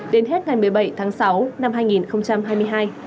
đến hết ngày một mươi bảy tháng sáu năm hai nghìn hai mươi hai